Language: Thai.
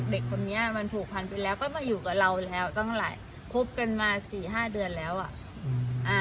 เด็กคนนี้มันผูกพันไปแล้วก็มาอยู่กับเราแล้วตั้งหลายคบกันมาสี่ห้าเดือนแล้วอ่ะอืมอ่า